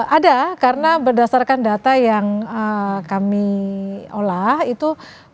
ada karena berdasarkan data yang kami olah itu